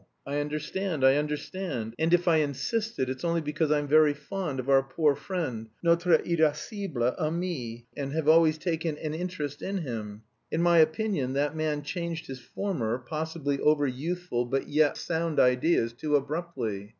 "I understand. I understand. And if I insisted, it's only because I'm very fond of our poor friend, notre irascible ami, and have always taken an interest in him.... In my opinion that man changed his former, possibly over youthful but yet sound ideas, too abruptly.